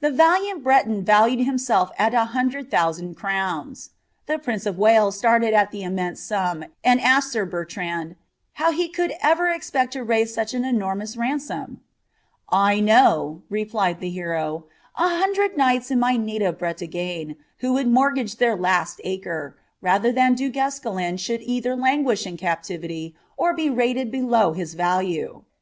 The Taliant Breton vklued Iiiniself al a hundred Ihousaml crowns ; the prince of Wales •IBited at the imniejise sum, and asked sir Bertranil " how he could ever expect to raise «uch an enormous ransom ?"" I know," replied the hno, ^ a htindreii knidus in luy native Breta^e, who would morlg^ their Ia«l acre, raiher than Du GuDsclin should either languish in cap QTiiy, or be ntted below hts vahre.